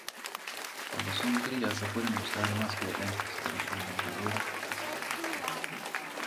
Cuando son crías se pueden mostrar más violentas pero su mordedura es inofensiva.